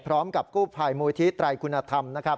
พร้อมกับกู้ภัยมูลทิศไตรคุณธรรม